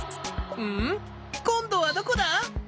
こんどはどこだ？